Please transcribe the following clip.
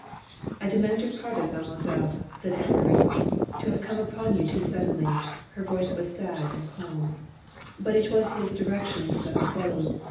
"I demand your pardon, mademoiselle," said Anne Marie, "to have come upon you too sud denly." Her voice was sad, and calm. "But it was his directions that I followed.